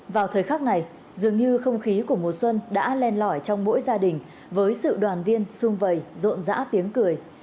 vào thời khắc này dường như không khí của mùa xuân đã len lỏi trong mỗi gia đình với sự đoàn viên sung vầy rộn rã tiếng cười